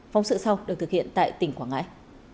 phóng sự sau được thực hiện tại tỉnh quảng ngãi